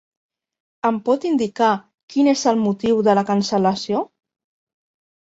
Em pot indicar quin és el motiu de la cancel·lació?